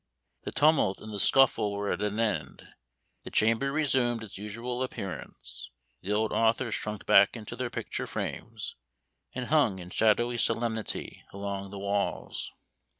The tumult and the scuffle were at an end. The chamber resumed its usual appearance. The old authors shrunk back into their picture frames, and hung in shadowy solemnity along the walls.